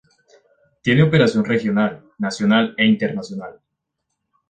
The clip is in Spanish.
Tiene operación regional, nacional e internacional.